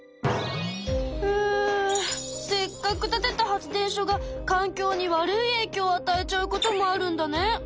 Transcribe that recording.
せっかく建てた発電所が環境に悪い影響をあたえちゃうこともあるんだね。